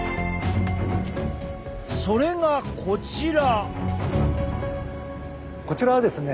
それがこちら！